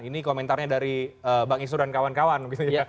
ini komentarnya dari bang isnur dan kawan kawan